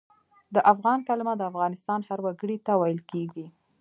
د افغان کلمه د افغانستان هر وګړي ته ویل کېږي.